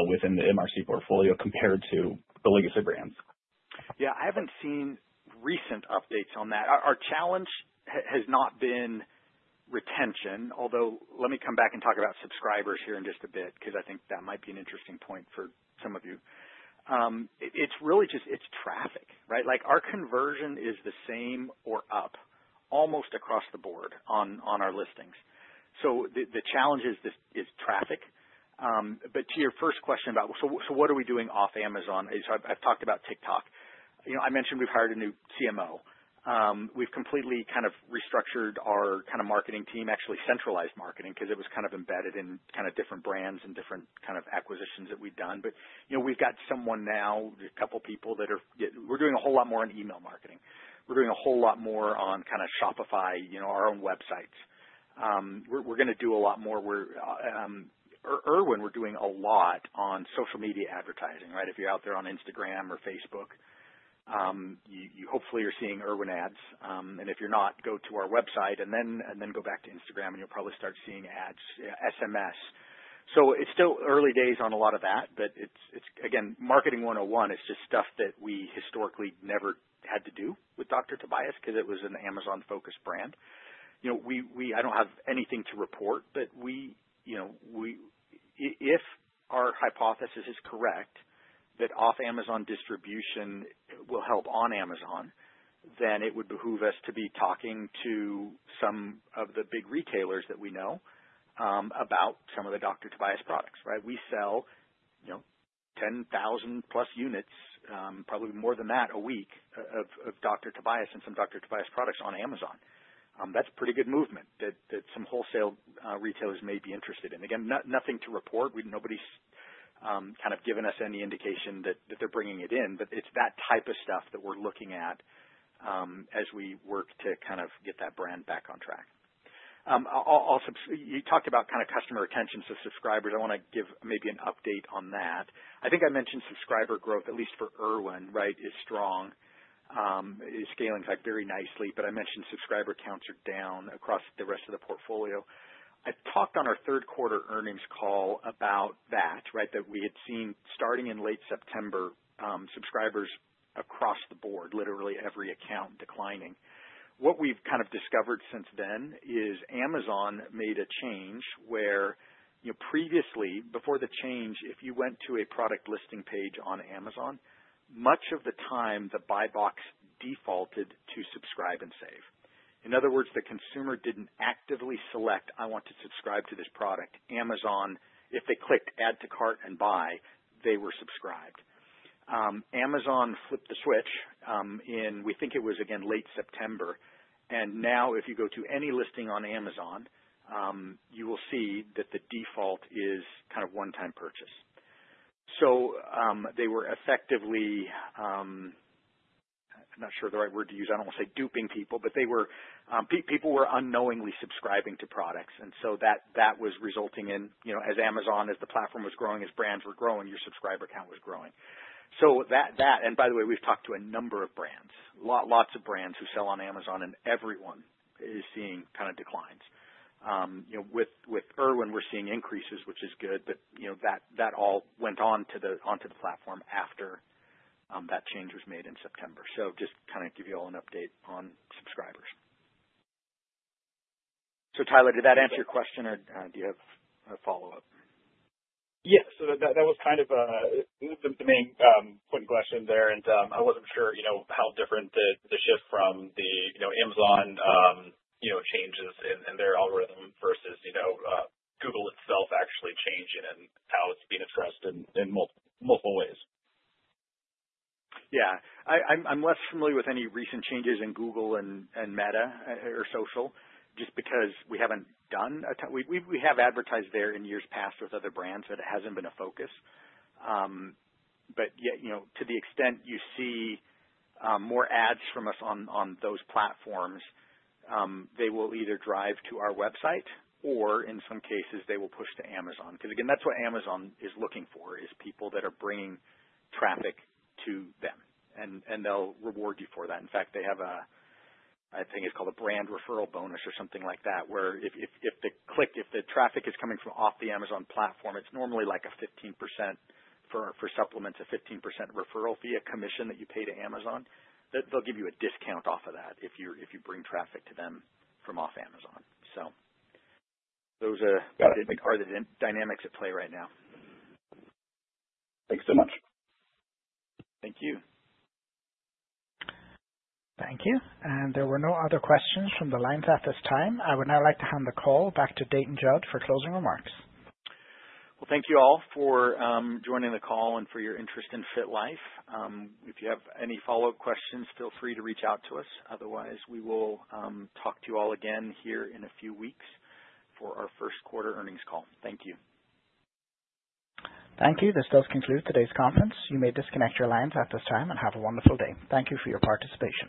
within the MRC portfolio compared to the legacy brands. Yeah, I haven't seen recent updates on that. Our challenge has not been retention, although let me come back and talk about subscribers here in just a bit, 'cause I think that might be an interesting point for some of you. It's really just traffic, right? Like, our conversion is the same or up almost across the board on our listings. The challenge is just traffic. To your first question about what we are doing off Amazon is I've talked about TikTok. You know, I mentioned we've hired a new CMO. We've completely kind of restructured our kind of marketing team, actually centralized marketing 'cause it was kind of embedded in kind of different brands and different kind of acquisitions that we've done. You know, we've got someone now, a couple people that are, we're doing a whole lot more in email marketing. We're doing a whole lot more on kinda Shopify, you know, our own websites. We're gonna do a lot more with Irwin. We're doing a lot on social media advertising, right? If you're out there on Instagram or Facebook, you hopefully are seeing Irwin ads. If you're not, go to our website and then go back to Instagram, and you'll probably start seeing ads, SMS. It's still early days on a lot of that, but it's again, marketing 101 is just stuff that we historically never had to do with Dr. Tobias 'cause it was an Amazon-focused brand. You know, we I don't have anything to report, but we, you know, if our hypothesis is correct that off Amazon distribution will help on Amazon, then it would behoove us to be talking to some of the big retailers that we know about some of the Dr. Tobias products, right? We sell, you know, 10,000+ units, probably more than that a week of Dr. Tobias and some Dr. Tobias products on Amazon. That's pretty good movement that some wholesale retailers may be interested in. Again, nothing to report. Nobody's kind of given us any indication that they're bringing it in, but it's that type of stuff that we're looking at as we work to kind of get that brand back on track. You talked about kinda customer retention, so subscribers. I wanna give maybe an update on that. I think I mentioned subscriber growth, at least for Irwin, right, is strong. Is scaling, in fact, very nicely, but I mentioned subscriber counts are down across the rest of the portfolio. I talked on our third quarter earnings call about that, right? That we had seen starting in late September, subscribers across the board, literally every account declining. What we've kind of discovered since then is Amazon made a change where, you know, previously, before the change, if you went to a product listing page on Amazon, much of the time, the buy box defaulted to Subscribe & Save. In other words, the consumer didn't actively select, "I want to subscribe to this product." Amazon, if they clicked add to cart and buy, they were subscribed. Amazon flipped the switch, in we think it was, again, late September. Now if you go to any listing on Amazon, you will see that the default is kind of one-time purchase. They were effectively. I'm not sure the right word to use. I don't wanna say duping people, but they were, people were unknowingly subscribing to products, and so that was resulting in, you know, as Amazon, as the platform was growing, as brands were growing, your subscriber count was growing. By the way, we've talked to a number of brands, lots of brands who sell on Amazon, and everyone is seeing kinda declines. You know, with Irwin, we're seeing increases, which is good, but, you know, that all went onto the platform after, that change was made in September. Just to kinda give you all an update on subscribers. Tyler, did that answer your question or, do you have a follow-up? Yeah. That was kind of the main point question there. I wasn't sure, you know, how different the shift from the you know Amazon you know changes in their algorithm versus you know Google itself actually changing and how it's being addressed in multiple ways. Yeah. I'm less familiar with any recent changes in Google and Meta or social just because we haven't done a ton. We have advertised there in years past with other brands, but it hasn't been a focus. But yet, you know, to the extent you see more ads from us on those platforms, they will either drive to our website or in some cases they will push to Amazon. 'Cause again, that's what Amazon is looking for, is people that are bringing traffic to them, and they'll reward you for that. In fact, they have, I think it's called a brand referral bonus or something like that, where if the traffic is coming from off the Amazon platform, it's normally like a 15% for supplements, a 15% referral fee, a commission that you pay to Amazon. They'll give you a discount off of that if you bring traffic to them from off Amazon. Those are- Got it. are the dynamics at play right now. Thanks so much. Thank you. Thank you. There were no other questions from the lines at this time. I would now like to hand the call back to Dayton Judd for closing remarks. Well, thank you all for joining the call and for your interest in FitLife. If you have any follow-up questions, feel free to reach out to us. Otherwise, we will talk to you all again here in a few weeks for our first quarter earnings call. Thank you. Thank you. This does conclude today's conference. You may disconnect your lines at this time, and have a wonderful day. Thank you for your participation.